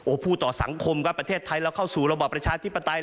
พูดต่อสังคมครับประเทศไทยเราเข้าสู่ระบอบประชาธิปไตย